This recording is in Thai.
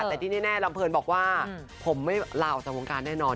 แต่ที่แน่ลำเพลินบอกว่าผมไม่ลาออกจากวงการแน่นอน